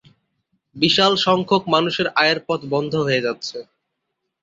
বিশাল সংখ্যক মানুষের আয়ের পথ বন্ধ হয়ে যাচ্ছে।